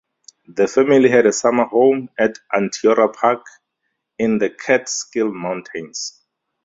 The family had a summer home at Onteora Park in the Catskill Mountains.